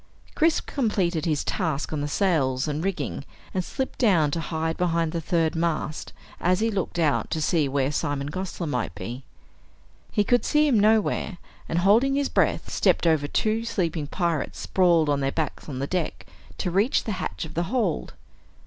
Chris completed his task on the sails and rigging and slipped down to hide behind the third mast as he looked out to see where Simon Gosler might be. He could see him nowhere, and holding his breath, stepped over two sleeping pirates sprawled on their backs on the deck to reach the hatch of the hold.